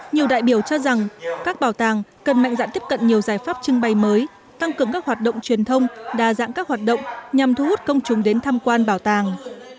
nhiều đại biểu cho rằng các bảo tàng cần mạnh dạn tiếp cận nhiều giải pháp trưng bày mới tăng cường các hoạt động truyền thông đa dạng các hoạt động nhằm thu hút công chúng đến tham quan bảo tàng